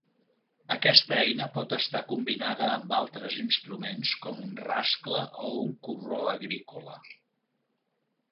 Aquesta eina pot estar combinada amb altres instruments com un rascle o un corró agrícola.